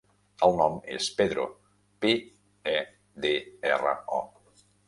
El nom és Pedro: pe, e, de, erra, o.